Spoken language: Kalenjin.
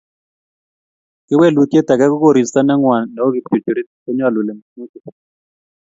Kewelutiet age ko koristo ne ngwan neu kipchurchurit konyaluli minutik